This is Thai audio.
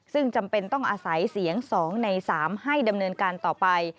ซึ่งจำเป็นต้องอาศัยเสียง๒ใน๓ให้ดำเนินการต่อไป